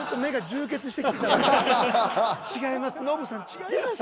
「違います。